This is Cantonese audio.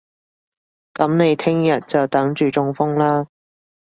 噉你聽日就等住中風啦